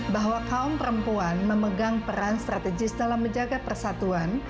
bahwa kaum perempuan memegang peran strategis dalam menjaga persatuan